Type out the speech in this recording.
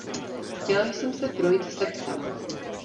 Chtěl jsem se projít se psem.